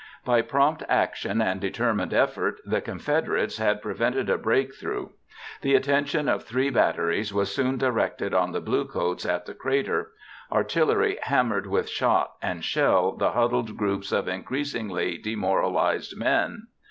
By prompt action and determined effort the Confederates had prevented a breakthrough. The attention of three batteries was soon directed on the bluecoats at the crater. Artillery hammered with shot and shell the huddled groups of increasingly demoralized men.